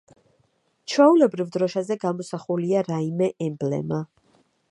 ჩვეულებრივ დროშაზე გამოსახულია რაიმე ემბლემა.